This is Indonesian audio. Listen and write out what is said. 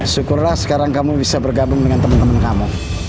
syukurlah sekarang kamu bisa bergabung dengan temen temen kamu